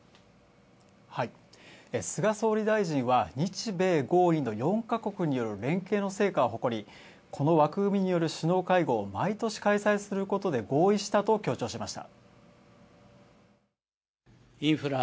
菅総理大臣は日米豪印の４ヵ国による連携の成果を誇りこの枠組みによる首脳会合を毎年開催することで合意したと強調しました。